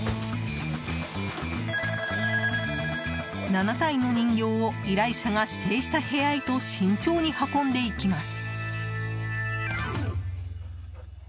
７体の人形を依頼者が指定した部屋へと慎重に運んでいきます。